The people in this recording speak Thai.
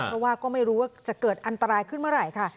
เพราะว่าก็ไม่รู้ว่าจะเกิดอันตรายขึ้นเมื่อไหร่ค่ะ